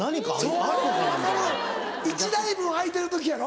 分かる１台分空いてる時やろ？